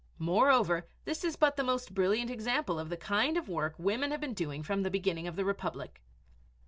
Moreover, this is but the most brilliant example of the kind of work women had been doing from the beginning of the Republic.